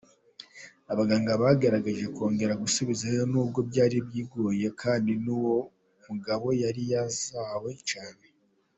Abaganga bagerageje kongera kugisubizaho nubwo byari bigoye kandi n'uwo mugabo yari yazahaye cyane.